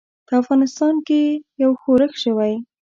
په افغانستان کې یو ښورښ شوی.